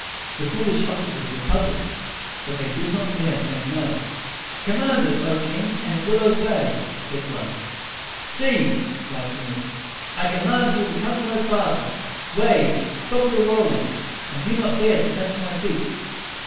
The foolish officers were puzzled, but they did not dare to say "No." "Command it, O king! and it will obey," said one. "Sea," cried Canute, "I command you to come no farther! Waves, stop your rolling, and do not dare to touch my feet!"